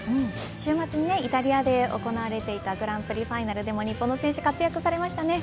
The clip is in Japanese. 週末にイタリアで行われていたグランプリファイナルでも日本の選手活躍されましたね。